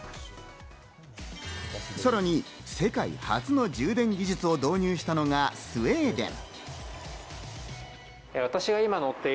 さらに世界初の充電技術を導入したのがスウェーデン。